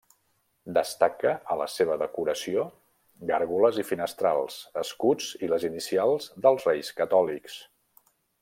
Destaca a la seva decoració gàrgoles i finestrals, escuts i les inicials dels Reis Catòlics.